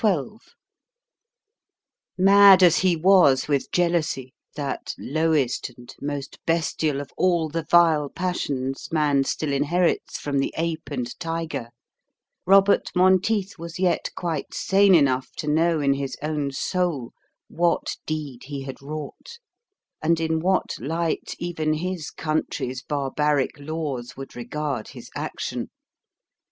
XII Mad as he was with jealousy, that lowest and most bestial of all the vile passions man still inherits from the ape and tiger, Robert Monteith was yet quite sane enough to know in his own soul what deed he had wrought, and in what light even his country's barbaric laws would regard his action.